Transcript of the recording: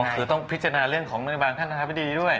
คือต้องพิจารณาเรื่องของบางบางท่านธรรมดีด้วย